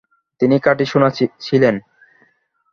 তিনি খাটি সোনা ছিলেন।